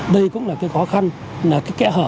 đây cũng là cái khó khăn cái kẽ hở